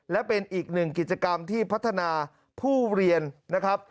และเป็นอีกหนึ่งกิจกรรมที่พัฒนาผู้เรียนนะครับ